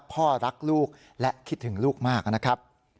พ่อรักลูกและคิดถึงลูกมากนะครับ